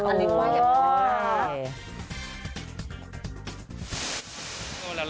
อันนี้ว่าอย่างนั้นนะคะ